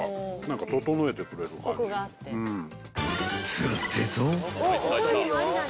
［するってぇと］